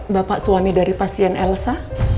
bapak suami dari pasien elsa